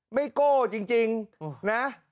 ไม่โก้จริงนะ